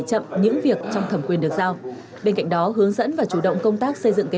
chậm những việc trong thẩm quyền được giao bên cạnh đó hướng dẫn và chủ động công tác xây dựng kế